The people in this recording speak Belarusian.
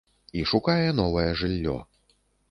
І шукае новае жыллё.